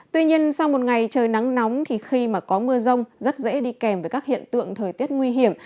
tuy nhiên sau một ngày trời nắng nóng thì khi mà có mưa rông rất dễ đi kèm với các hiện tượng thời tiết nguy hiểm